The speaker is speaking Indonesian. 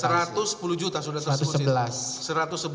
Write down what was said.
rp satu ratus sepuluh juta sudah tersebut